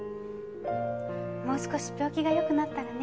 もう少し病気が良くなったらね。